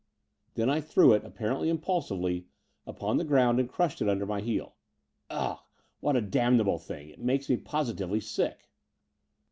Then I threw it, apparently impulsively, upon the grotmd and crushed it under my heel. Ugh, what a damnable thing ! It makes me positively sick."